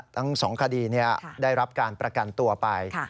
ทั้ง๒คดีได้รับการประกันตัวไป